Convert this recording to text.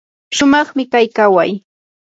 shumaqmi kay kaway.